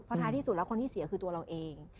ท้ายที่สุดแล้วคนที่เสียคือตัวเราเอง